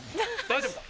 大丈夫か？